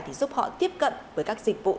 thì giúp họ tiếp cận với các dịch vụ